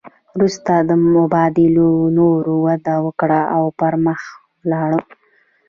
وروسته مبادلو نوره وده وکړه او پرمخ ولاړې